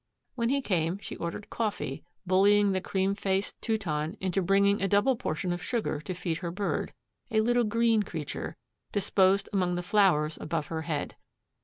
When he came she ordered coffee, bullying the cream faced Teuton into bringing a double portion of sugar to feed her bird, a little green creature, disposed among the flowers above her head.